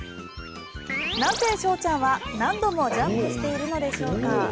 なぜ、翔ちゃんは何度もジャンプしているのでしょうか。